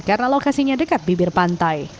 karena lokasinya dekat bibir pantai